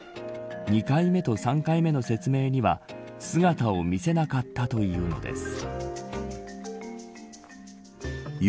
２回目と３回目の説明には姿を見せなかったというのです。